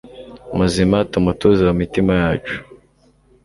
muzima, tumutuze mu mitima yacu